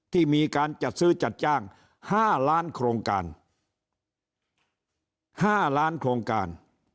ที่มีการจัดซื้อจัดจ้าง๕ล้านโครงการ๕ล้านโครงการ